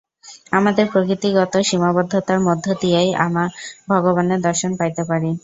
আমাদের প্রকৃতিগত সীমাবদ্ধতার মধ্য দিয়াই আমরা ভগবানের দর্শন পাইতে পারি।